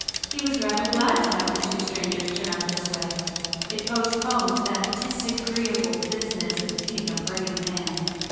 He was rather glad to have the two strangers turn up this way. It postponed that dis¬ agreeable business of eating a brave man.